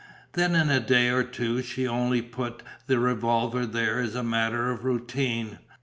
Then in a day or two she only put the revolver there as a matter of routine.